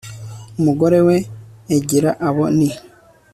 umugore we Egila Abo ni